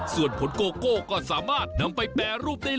ส่วนผลโกโก้ก็สามารถนำไปแปรรูปได้